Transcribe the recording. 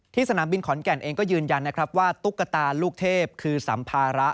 สนามบินขอนแก่นเองก็ยืนยันนะครับว่าตุ๊กตาลูกเทพคือสัมภาระ